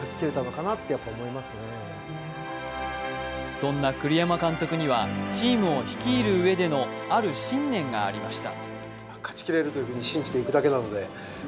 そんな栗山監督にはチームを率いるうえでのある信念がありました。